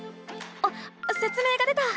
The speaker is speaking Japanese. あっせつ明が出た！